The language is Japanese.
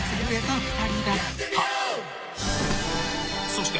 ［そして！